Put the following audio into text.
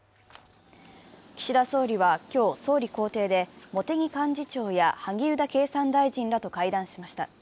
岸田総理は今日、総理公邸で茂木幹事長や萩生田経産大臣らと会談しました。